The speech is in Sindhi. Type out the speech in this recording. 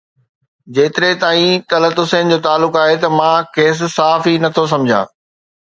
جيتري تائين طلعت حسين جو تعلق آهي ته مان کيس صحافي نٿو سمجهان